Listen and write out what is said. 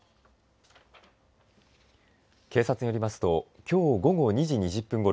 警察によりますときょう午後２時２０分ごろ